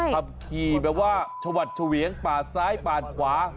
ขับขี่แบบว่าชวัดเฉวียงปาดซ้ายปาดขวา